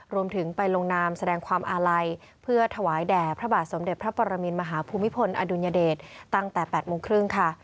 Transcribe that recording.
รวมถึงไปลงนามแสดงความอาลัยเพื่อถวายแด่พระบาทสมเด็จพระปรมินมหาภูมิพลอดุลยเดชตั้งแต่๘โมงครึ่งค่ะ